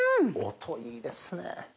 音いいですね。